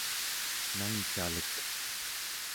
nangcalek